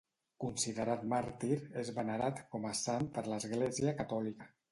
Considerat màrtir, és venerat com a sant per l'Església catòlica.